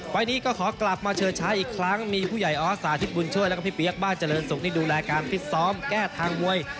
นี้ก็ขอกลับมาเชิดช้าอีกครั้งมีผู้ใหญ่ออสสาธิตบุญช่วยแล้วก็พี่เปี๊ยกบ้านเจริญศุกร์ที่ดูแลการฟิตซ้อมแก้ทางมวย